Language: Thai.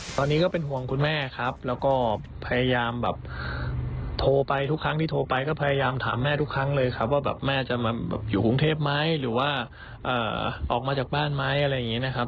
ตอนนี้ก็เป็นห่วงคุณแม่ครับแล้วก็พยายามแบบโทรไปทุกครั้งที่โทรไปก็พยายามถามแม่ทุกครั้งเลยครับว่าแบบแม่จะมาอยู่กรุงเทพไหมหรือว่าออกมาจากบ้านไหมอะไรอย่างนี้นะครับ